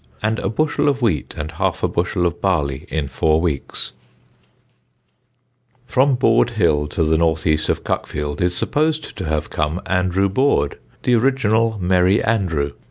and a bushel of wheat and half a bushel of barley in 4 weeks." [Sidenote: MERRY ANDREW] From Borde Hill to the north east of Cuckfield, is supposed to have come Andrew Boord, the original Merry Andrew.